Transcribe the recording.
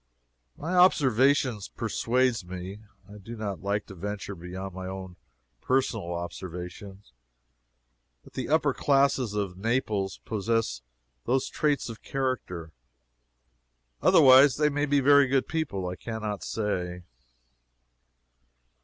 My observation persuades me (I do not like to venture beyond my own personal observation,) that the upper classes of Naples possess those traits of character. Otherwise they may be very good people; I can not say.